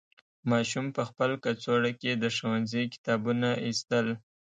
ماشوم په خپل کڅوړه کې د ښوونځي کتابونه ایستل.